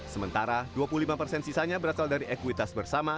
sementara dua puluh lima persen sisanya berasal dari ekuitas bersama